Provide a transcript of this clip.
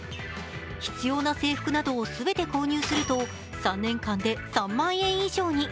必要な制服などを全て購入すると３年間で３万円以上に。